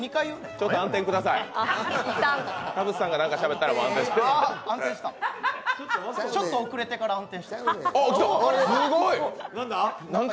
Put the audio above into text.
ちょっと遅れてから暗転して。